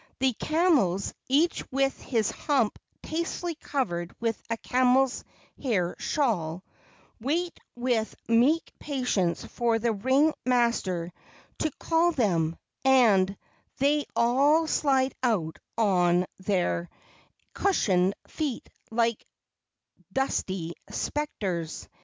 The camels, each with his hump tastefully covered with a camel's hair shawl, wait with meek patience for the ring master to call them, and they all slide out on their cushioned feet like dusty spectres.